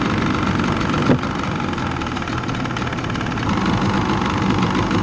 และมันกลายเป้าหมายเป้าหมายเป้าหมายเป้าหมาย